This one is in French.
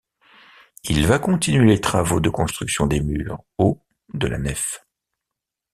Il va continuer les travaux de construction des murs hauts de la nef.